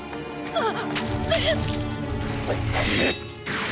あっ。